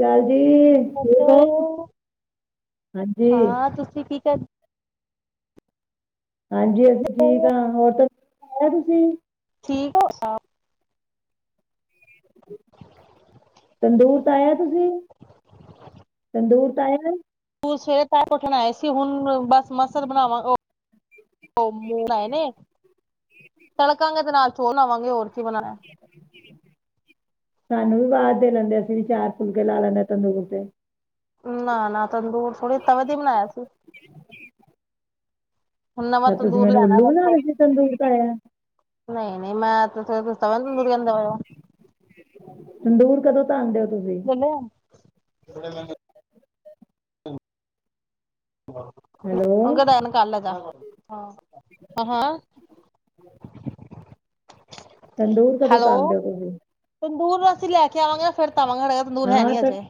ਚਾਲ ਜੀ, ਠੀਕ ਹੋ। ਹਾਂਜੀ। ਹਾਂ ਤੁਸੀਂ ਕੀ ਕਰ ਹਾਂਜੀ। ਅਸੀਂ ਠੀਕ ਹਾਂ। ਹੋਰ ਤਾਂ ਕ ਤੁਸੀਂ ਠੀਕ, ਤੰਦੂਰ ਤਾਆ ਆਇਆ। ਤੁਸੀਂ ਤੰਦੂਰ ਤ- ਆਆ ਤੂੰ ਸਵੇਰੇ ਤ ਉਠਣ ਆਏ ਸੀ ਹੁਣ, ਬਸ ਮਸ ਬਣਾਵਾਂਗੇ। ਉਹ ਆਏ ਨੇ ਤੜਕਾਂਗੇ ਤੇ ਨਾਲ ਚੋਲ ਬਨਾਵਾਂਗੇ, ਹੋਰ ਕੀ ਬਣਾਇਆ। ਸਾਨੂੰ ਵੀ ਆਵਾਜ਼ ਦੇ ਲੈਂਦੇ। ਅਸੀਂ ਵੀ ਚਾਰ ਫੁਲਕੇ ਲਾ ਲੈਂਦੇ ਹ ਤੰਦੁਰ ਤੇ ਨਾ -ਨਾ ਤੰਦੂਰ ਥੋੜੀ ਤਵ ਬਣਾਇਆ ਸੀ। ਹੁਣ ਨਵਾਂ ਅ ਤੁਸੀਂ ਤੰਦੂਰ ਮੈਨੂੰ ਲੈਣਾ ਉੱਲੂ ਵੇਖੋ ਬਣਾਉਣ ਚ ਤੰਦੂ ਤਾਾਇਆ। ਨਹੀਂ ਮੈਂ ਤੁ ਤਵ ਦਰੀ ਜਾਂਦਾ ਵਇਆ [unintelligible] ਤੰਦੂਰ ਕਦੋਂ ਤਨਦੇ। ਲੈ ਆ। ਹੈਲੋ ਨੂੰ ਕਿਹਾ-ਦਾਨ ਕਰ -ਦਾਨ ਤੰਦੂਰ ਕਦੋਂ ਤਆਉਦੇ ਹੋ ਤੁਸੀਂ ਦੂਰ ਨੂੰ ਅਸੀਂ ਲੈ ਕੇ ਆਵਾਂਗੇ ਫਿਰ ਧਵਾਂਗੜ [unintelligible] ਤੰਦੂਰ ਹੈ ਹਾਂ ਨੀ ਤਾਂ ਅਜੇ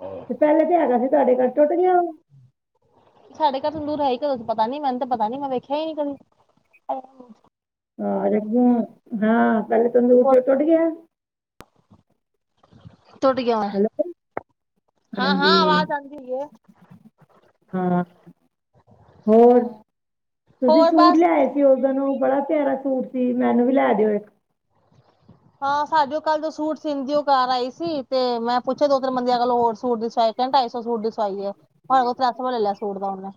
ਹੱ ਤੇ ਪਹਿਲੇ ਤੇ ਹੈਗਾ ਸੀ ਤੁਹਾਡੇ ਘਰ ਟੁੱਟ ਗਿਆ ਵਾ ਸਾਡੇ ਘਰ ਤੋਂ ਦੂਰ ਹੈ ਹੀ ਕਦੋਂ ਤੋਂ ਪਤਾ ਨੀ ਮੈਨੂੰ ਪਤਾ ਨੀ ਮੈਂ ਵੇਖਿਆ ਹੀ ਨੀ ਕਦੇ ਆਹ। ਹਾਂ, ਪਹਿਲੇ ਤੂੰਦੁਰ ਸੀ ਉਹ ਹੁਣ ਟੁਟ ਗਿਆ। ਟੁੱਟ ਗਿਆ ਹੈਲੋ, ਹਾਂ-ਹਾਂ ਹਾਂਜੀ। ਆਵਾਜ਼ ਆਂਦੀ ਏ ਹਾਂ, ਹੋਰ ਤੁਸੀਂ ਹੋਰ ਸੂਟ ਬਸ ਲਿਆਏ ਸੀ ਉਦ ਨੂੰ ਬੜਾ ਪਿਆਰਾ ਸੂਟ ਸੀ। ਮੈਨੂੰ ਵੀ ਲੈ ਦਿਓ ਇੱਕ ਹਾਂ, ਸਾਡੇ ਕੱਲ ਜੋ ਸੂਟ ਸੀਂਦੀ ਉਹ ਘਰ ਆਈ ਸੀ। ਤੇ ਮੈਂ ਪੁੱਛਿਆ ਦੋ -ਤਿੰਨ ਬੰਦ ਕਲ ਹੋਰ ਸੂਟ ਦੀ ਸਵਾਏ ਦੋ- ਢਾਈ ਸੌ ਸੂਟ ਦੀ ਸਵਾਈ ਹੈ। ਹ ਕੋਲ ਤ੍ਰੈ ਸੌ ਵਾਲ ਲੈ ਲਿਆ ਸੂਟ ਦਾ ਹਣਨੇ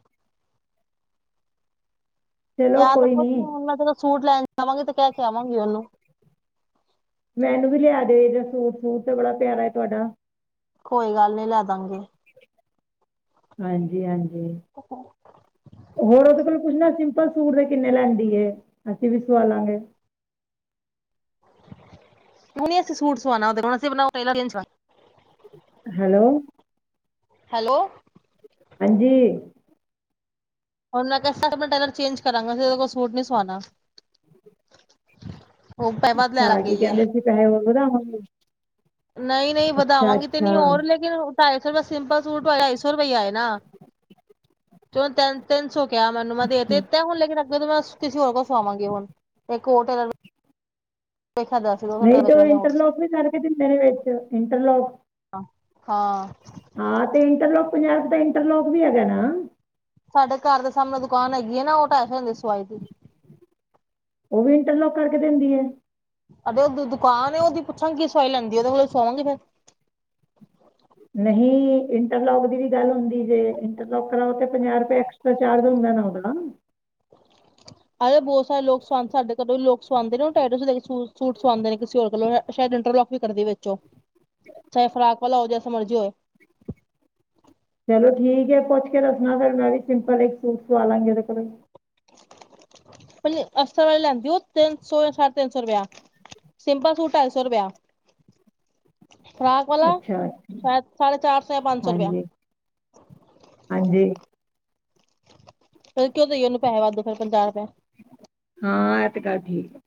ਚਲੋ ਯ ਤਾਂ ਕੋਈ ਕੁਛ ਨੀ ਨਹੀਂ ਹੁਣ ਮੈਂ ਸੂਟ ਲੈਣ ਜਵਾਂਗੀ ਤੇ ਕਹਿ ਕੇ ਆਵਾਂਗੀ ਉਹਨੂੰ ਮੈਨੂੰ ਵੀ ਲਿਆ ਦਿਓਦਾ ਸੂਟ ਸੂਟ ਤਾਂ ਬੜਾ ਪਿਆਰਾ ਤੁਹਾਡਾ ਕੋਈ ਗੱਲ ਨਹੀ ਲੈ ਦਾਂ ਗੀ ਹਾਂਜੀ ਹਾਂਜੀ ਹੋਰ ਉਹਦੇ ਕੋਲ ਪੁੱਛਣਾ ਕਿ ਸਿਪਲ ਸੂਟ ਦੇ ਕਿੰਨੇ ਲੈਂਦੀ ਏ ਅਸੀਂ ਵੀ ਸਆਾਲਾਂਗੇ ਹੁਣ ਨੀ ਅਸੀਂ ਸੂਟ ਸਵਾਣਾ ਉਹਦੇ ਕੋਲ ਅਸੀ ਆਪਣਾ ਟੇਲਰ ਚੇਜ ਹੈਲੋ ਹੈਲੋ ਹਾਂਜੀ ਹੁਣ ਮੈਂ ਕਿਹਾ ਆਪਣਾ ਟੇਲਰ ਚੇਂਜ ਕਰਾਂਗਾ ਉਸ ਕੋਲ ਸੂਟ ਨੀ ਸਵਾਣਾ ਉਹ ਪੈ ਵੱਧ ਲੈਣ ਅੱਛਾ ਲੱਗ ਕੀ ਕਹਿੰਦੇ ਸੀ ਪੈਸੇ ਹੁਰ ਵੱਧਾ ਵਾ ਹਮ ਨਹੀਂ ਨਹੀਂ ਵਧਾਵਾਂਗੀ ਤੇ ਨਹੀ ਹੋਰ ਅੱਛਾ ਲੇਕਿਨ ਢਾਈ ਸੌ ਰੁਪਏ ਸਿੰਪਲ ਸੂਟ ਢਾਈ ਸੌ ਰੁਪਏ ਆਨਾ ਤਿੰਨ ਤਿੰਨ ਸੌ ਕਿਹਾ ਮੈਨੂੰ ਮੈਂ ਦੇਖ ਤੇ ਇਾਂ ਹੁਣ ਲ ਦੀਦੀ ਮੈਂ ਕਿਸੇ ਹੋਰ ਕੋਲ ਸੁਵਾਵਾਂਗੀ ਹੁਣ ਇੱਕ ਹੋਰ ਟੇਲਰ ਵੇਖਿਆ ਦਸ ਦੋ ਘੰਟੇ ਨਹੀਂ ਤੇ ਲੱਗਦੇ ਉਹ ਨੇ ਹੋਰ ਇੰਟਰਲੋਕ ਵੀ ਕਰਕੇ ਦਿੰਦੇ ਨੇ ਵਿੱਚ ਇੰਟਰਲੋਕ ਹਾਂ ਹਾਂ ਤੇ ਇੰਟਰਲੋਕ ਪੰਜਾ ਰੁਪਏ ਤਾਂ ਇੰਟਰਲੋਕ ਵੀ ਹੈਗਾ ਨਾ ਸਾਡੇ ਘਰ ਦੇ ਸਾਹਮਣੇ ਦੁਕਾਨ ਹੈਗੀ ਹੈ ਨਾ ਉਹ ਢਾਈ ਸੋ ਹੁੰਦੇ ਸੀ ਸੋਵਾ ਸੀ ਤੇ ਲੋਂ ਕਰਕੇ ਦਿੰਦੀਆਂ ਆਰੇ ਉਸ ਦੁਕਾਨ ਉਹਦੀ ਪੁੱਛਾਂਗੇ ਕੀ ਸਵਾਈ ਲੈਂਦੀ ਉਹਦੇ ਕੋਲ ਸਵਾਵਾਂਗੇ ਫੇਰ ਨਹੀਂ ਇੰਟਰਲੋਕ ਦੀ ਵੀ ਗੱਲ ਹੁੰਦੀ ਜੇ ਇੰਟਰਲੋਕ ਕਰਾਓ ਤੇ ਪੰਜਾਹ ਰੁਪਏ ਐਕਸਟਰਾ ਚਾਰਜ ਹੁੰਦਾ ਨਾ ਉਹਦਾ ਆ ਬਹੁਤ ਸਾਰੇ ਲੋਕ ਸਦੇ ਸਾਡੇ ਕੋਲੋਂ ਲੋਕ ਸਵਾਂਦੇ ਨੇੂ ਸੂਟ ਸਵਾਉਂਦੇ ਨੇ ਕਿਸੇ ਹੋਰਲੋਂ ਸ਼ਾਇਦ ਇੰਟਰਲੋਕ ਵੀ ਕਰਦੀ ਵਿਚੋ ਚਾਹੇ ਫਰਾਕ ਵਾਲਾ ਹੋ ਜਸਾ ਮਰਜ਼ੀ ਹੋਏ ਚਲੋ ਠੀਕ ਹੈ ਪੁੱਛ ਕੇ ਦੱਸਣਾ ਫਿਰ ਮੈਂ ਵੀ ਸਿੰਪਲ ਇੱਕ ਸੂਟ ਸਵਾ ਲਾਂਗੀ ਉਹਦੇ ਕੋਲੋਂ ਅਸਲ ਵਾਲੀ ਲੈਂਦੀ ਹੋ ਤਿੰਨ ਸੌ ਜਾਂ ਸਾਢੇ ਤਿੰਨ ਸੌ ਰੁਪਇਆ ਸਿੰਪਲ ਸੂਟ ਢਾਈ ਸੌ ਰੁਪਇਆ ਫਰਾਕ ਵਾਲਾ ਅੱਛਾ ਸ਼ਾਇਦ ਸਾਢੇ ਚਾਰ ਸੌ ਜਾਂ ਪੰਜ ਸੌ ਰੁਪੀਆ ਹਾਂਜੀ ਹਾਂਜੀ ਫਿਰ ਕਿਉਂ ਦਈਏ ਉਹਨੂੰ ਪੈਸੇ ਵੱਧ ਫੇਿਰ ਪੰਜਾਹ ਰੁਪਏ ਹਾਂ ਇਹ ਤੇ ਗੱਲ ਠੀਕ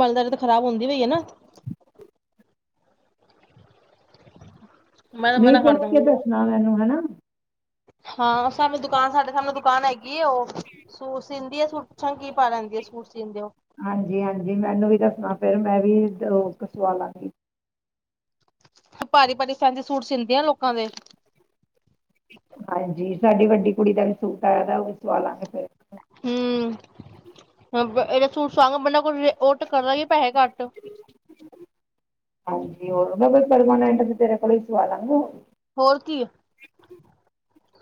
ਮਲਦਰਦ ਖ਼ਰਾਬ ਹੁੰਦੀ ਪਈ ਹੈ ਨਾ ਮੈਂ ਤਾਂ ਨਹੀਂ ਮਨਾ ਕਰ ਪੁੱਛ ਕੇ ਦੂੰਗੀ ਆ ਦੱਸਣਾ ਮੈਨੂੰ ਹੈ ਨਾ ਹਾਂ ਸਾਨੂੰ ਦੁਕਾਨ ਸਾਡੇ ਸਾਨੂੰ ਦੁਕਾਨ ਹੈਗੀ ਉਹ ਸੂਟ ਸੀਂਦੀ ਆ ਪੁਛਾ ਗੀ ਕੀ ਭਾਅ ਲੈਂਦੀ ਆ ਸੂਟ ਸੀੀਂਦੇ ਉਹ ਹਾਂਜੀ ਹਾਂਜੀ ਮੈਨੂੰ ਵੀ ਦੱਸਣਾ ਫਿਰ ਮੈਂ ਵੀ ਉਦਰੋ ਸਵਾਲਾਂਗੀ ਭਾਰੀ ਭਾਰੀ ਫੈਸੀ ਸੂਟ ਸੀਦੀ ਤੇ ਲੋਕਾਂ ਦੇ ਹਾਂਜੀ ਸਾਡੀ ਵੱਡੀ ਕੁੜੀ ਦਾ ਵੀ ਸੂਟ ਆਇਆ ਤਾਂ ਉਹ ਵੀ ਸਵਾ ਲਾਂਗੇ ਫੇਰ ਹਮ ਇਹਦਾ ਸੂਟ ਸੁਵਾਗ ਬੰਨਾ ਕੋ ਉਹਟ ਕਰਦਾ ਗੀ ਪੈਸੇ ਘੱਟ ਬੜ ਮ ਇਂ ਤੇਰੇ ਕੋਲਈ ਸਵਾਾਲਾਂ ਨੂੰ ਹੋਰ ਕੀ ਆ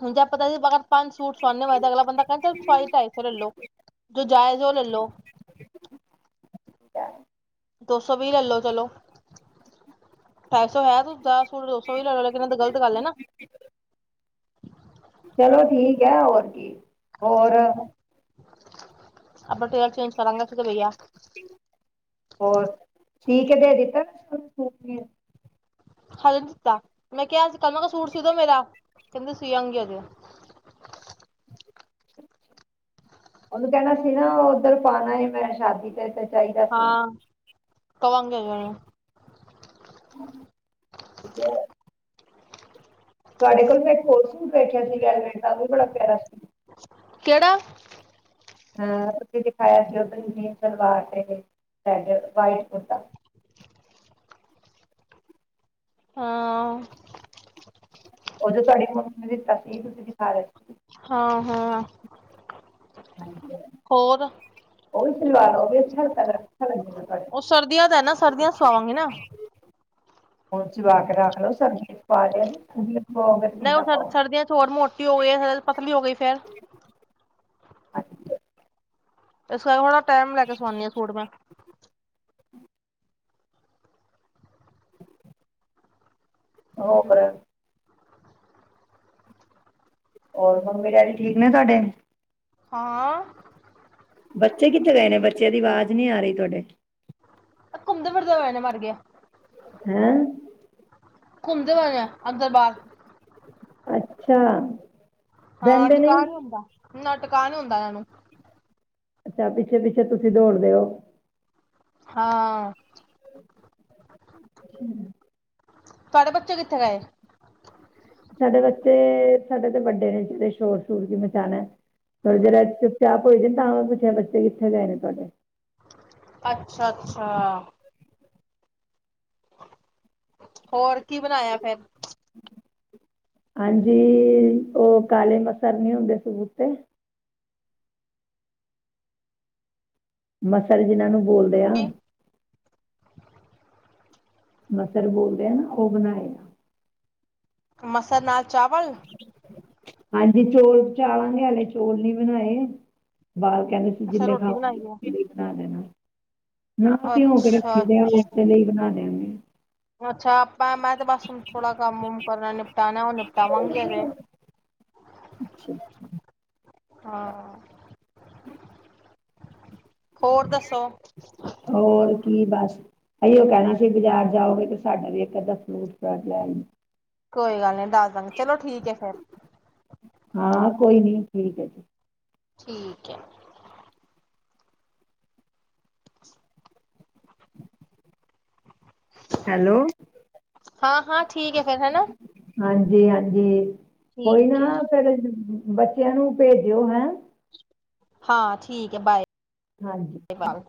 ਹੁਣ ਜੇ ਆਪਾਂਤਾ ਸੀ ਪੰਜ ਸੂਟ ਸਆੇ ਹੋਏ ਅਗਲਾ ਬੰਦਾ ਕਹਣਦਾ ਚ ਸਵਾਈ ਢਾਈ ਸੌ ਲੈਲੋ ਜੋ ਜਾਇਜ਼ ਉਹ ਲੈਲੋ ਦੋ ਸੌ ਵੀ ਲੈਲੋ ਚਲੋ ਅਠਾਈ ਸੌ ਹੈ ਤੁਦਾ ੋਣ ਦੋ ਸੋ ਵੀ ਲੈ ਲਓ ਲੇਕਿਨ ਇਹ ਦੀ ਗਲਤ ਗੱਲ ਹੈ ਨਾ ਚਲੋ ਠੀਕ ਹੈ ਹੋਰ ਕੀ ਹੋਰ ਅਪ ਟ ਅ ਚ ਰਗਾ ਸੀ ਤੇ ਵਈਆ ਠੀਕ ਦੇ ਦਿੱਤਾ ਹਜੇ ਨ ਦਿੱਤਾ ਮੈਂ ਕਿਹਾ ਸੀ ਕੱਲ ਮੈਂ ਕਿਹਾ ਸੂਟ ਸੀਦੋ ਮੇਰਾ ਕਹਿੰਦੇ ਸੀ ਆਗੀ ਉਹਜ ਉਹਨੂੰ ਕਹਿਣਾ ਸੀ ਨਾ ਉੱਧਰ ਪਾਉਣਾ ਸੀ ਮੈਂ ਸ਼ਾਦੀ ਤੇ ਚਾਹੀਦਾ ਸੀ ਕਵਾਾਂਗੇ ਜਾਣੇ ਤੇਕ ਤੁਹਾਡੇ ਕੋਲ ਮੈਂ ਇੱਕ ਹੋਰ ਸੂਟ ਬੈਠਿਆ ਸੀ ਵੈਲਵਟ ਦਾ ਉਹ ਵੀ ਬੜਾ ਪਿਆਰਾ ਸੀੂ ਕਿਹੜਾ ਅਹ ਉੱਥੇ ਦਿਖਾਇਆ ਸੀ ਉਧਰ ਹੀ ਸਲਵਾਰ ਤੇ ਰੈਡ ਵਾਈਟ ਕੁਤਾ ਹਾਂ ਉਦੋਂ ਤੁਹਾਡੇ ਫੋਨ ਨੇ ਦਿੱਤਾ ਸੀ ਤੁਸੀਂ ਦਿਖਾ ਰਹੇ ਸੀ ਹਾਂ ਹਾਂ ਹਾਂਜੀ ਹੋਰ ਉਹਹੀ ਸਵਾ ਉਹ ਵੀ ਕਰ ਉਹ ਸਰਦੀਆਂ ਦਾ ਨਾ ਸਰਦੀਆਂ ਸਵਾਵਾਂਗੀ ਨਾ ਹੁਣ ਜਵਾ ਕੇ ਰੱਖ ਲਓ ਸਰਦੀ ਚ ਪਾ ਲਿਆ ਚ ਪਾਓਗੇ ਤੇ ਨਹੀਂ ਉਹ ਕਿੱਦਾਂ ਸਰ ਪਾਓ ਸਰਦੀਆਂ ਚ ਹੋਰ ਮੋਟੀ ਹੋ ਗਈ ਪਸਲੀ ਹੋ ਗਈ ਫੇਰ ਅਾਂਜੀ ਰਸ ਖ ਟਾਈਮ ਲੈ ਕੇ ਸਵਾਣੀ ਆ ਸੂਟ ਮੈਂ ਹੋ ਬ ਹੂੰ ਹੋਰ ਮੰਮੀ ਡੈਡੀ ਠੀਕ ਨੇ ਤੁਹਾਡੇ ਹਾਂ ਬੱਚੇ ਕਿੱਥੇ ਗਏ ਨੇ ਬੱਚਿਆਂ ਦੀ ਆਵਾਜ਼ ਨੀ ਆ ਰਹੀ ਤੁਹਾਡੇ ਘੁੰਮਦੇ ਫਿਰਦਾ ਹੋਇਆਨ ਮਰ ਗਿਆ ਹੈਂ ਘੁੰਮਦੇ ਹੋਣੇ ਆ ਅੰਦਰ ਬਾਹਰ ਅੱਛਾ ਹਾਂ ਬਹਿੰਦੇ ਨਹੀਂ ਦੁਕਾਨ ਹੁੰਦਾ ਟਕਾ ਨਹੀਂ ਹੁੰਂਦਾ ਇਹਨਾਂ ਨੂੰ ਅੱਛਾ ਪਿੱਛੇ ਪਿੱਛੇ ਤੁਸੀਂ ਦੌੜਦੇ ਹੋ ਹਾਂ ਹਮ ਤੁਹਾਡੇ ਬੱਚੇ ਕਿੱਥੇ ਗਏ ਸਾਡੇ ਬੱਚੇ ਸਾਡੇ ਤੇ ਵੱਡੇ ਨੇ ਜੇ ਸ਼ੋਰ ਸ਼ੋਰ ਕੀ ਮਚਾਣਾ ਥੋੜੇ ਜਿ ਚੁੱਪ ਚਾਪ ਹੋ ਜਾ ਤਾਂ ਪੁੱਛਿਆ ਬੱਚੇ ਕਿੱਥੇ ਗਏ ਨੇ ਤੁਹਾਡੇ ਅੱਛਾ ਅੱਛਾ ਹੋਰ ਕੀ ਬਣਾਇਆ ਫਿਰ ਹਾਂਜੀ ਉਹ ਕਾਲੇ ਮਸਰ ਨਹੀ ਹੁੰਦੇ ਸਬੂਤੇ ਮਸਰ ਜਿਹਨਾ ਨੂੰ ਬੋਲਦੇ ਆ ਮਸਰ ਬੋਲਦੇ ਆ ਨਾ ਉਹ ਬਣਾਏ ਆ ਮਸਰ ਨਾਲ ਚਾਵਲ ਹਾਂਜੀ ਚੋਲ ਚਾੜਨੇ ਹਲੇ ਚੋਲ ਨਹੀਂ ਬਣਾਏ ਬਾਲ ਕਹਿੰਦੇ ਸੀ ਅੱਛਾ ਜਿੰੇ ਰੋਟੀ ਬਣਾਈ ਹੈ ਖਾਗੇ ਬਣਾ ਦੇਣਾ ਨਾ ਪਿਓ ਕੇ ਅੱਛਾ ਰੱਖੀ ਦੇ ਅੱਛਾ ਉਸੇ ਲਈ ਬਣਾ ਲਿਆਂਦੇ ਅੱਛਾ ਮੈਂ ਤੇ ਬਸ ਹੁਣ ਥੋੜ੍ਹਾ ਕੰਮਮ ਕਰਨਾ ਨਿਪਟਾਨਾਨਾ ਉਹੁ ਨਿਪਟਾਵਾਂਗੇਜ ਹਾਂ ਹੋਰ ਦੱਸੋ ਹੋਰ ਕੀ ਬੱਸ ਅਸੀ ਉਹ ਕਹਿਣਾ ਸੀ ਬਾਜ਼ਾਰ ਜਾਓਗੇ ਤੇ ਸਾਡਾ ਵੀ ਇੱਕ ਅੱਧਾ ਫਰੂਟ ਫਰਟ ਲੈ ਲਈ ਕੋਈ ਗੱਲ ਨਹੀਂੀ ਦੱਸ ਦਾਂਗੇ ਚਲੋ ਠੀਕ ਹੈ ਫੇਰ ਹਾਂ ਕੋਈ ਨੀ ਠੀਕ ਹੈ ਜੀ ਠੀਕ ਹੈ ਹੈਲੋ ਹਾਂ ਹਾਂ ਠੀਕ ਹੈ ਫੇਿਰ ਹੈਨਾ ਜੀ ਹਾਂਜੀ ਕੋਈ ਠੀਕ ਹੈ ਨਾ ਫਿਰ ਬੱਚਿਆਂ ਨੂੰ ਭੇਜਿਓ ਹੈਂ ਹਾਂ ਠੀਕ ਹੈ ਬਾਏ ਹਾਂਜੀ ਬਾਏ